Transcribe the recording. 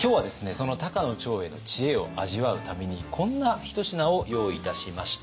その高野長英の知恵を味わうためにこんな一品を用意いたしました。